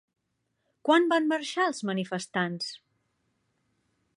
Quan van marxar els manifestants?